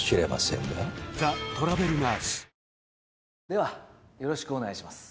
ではよろしくお願いします。